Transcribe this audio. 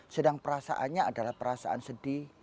sedang perasaannya adalah perasaan sedih